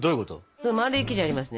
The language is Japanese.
その丸い生地ありますね。